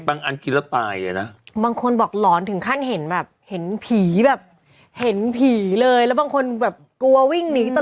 บล็อกอะไรหรอมันพวกโฆษณาหวยเถื่อนเนี่ย